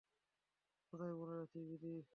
ক্ষুধায় মরে যাচ্ছি, দিদি।